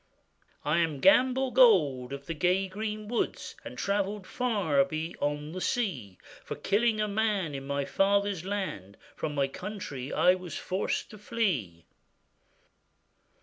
'I am Gamble Gold of the gay green woods, And travellèd far beyond the sea; For killing a man in my father's land, From my country I was forced to flee.